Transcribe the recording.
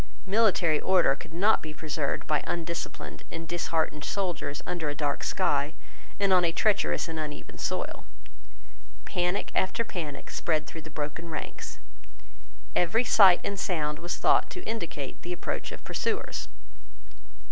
Military order could not be preserved by undisciplined and disheartened soldiers under a dark sky, and on a treacherous and uneven soil. Panic after panic spread through the broken ranks. Every sight and sound was thought to indicate the approach of pursuers.